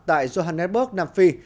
tại johannesburg nam phi